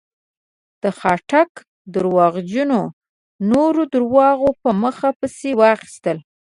د خاټک درواغو نور درواغ په مخه پسې واخيستل.